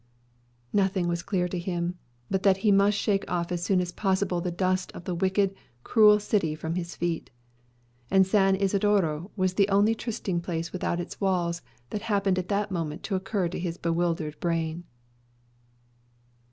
Nothing was clear to him; but that he must shake off as soon as possible the dust of the wicked, cruel city from his feet. And San Isodro was the only trysting place without its walls that happened at the moment to occur to his bewildered brain.